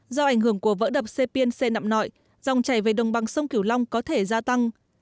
do ảnh hưởng của vỡ đập sê piên xê nạm nội dòng chảy về đồng bằng sông kiểu long có thể gia tăng